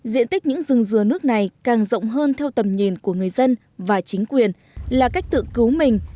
diện tích những rừng dừa nước này càng rộng hơn theo tầm nhìn của người dân và chính quyền là cách tự cứu mình